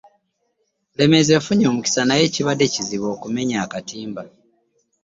Bulemeezi efunye emikisa naye kibadde kizibu okunyeenya akatimba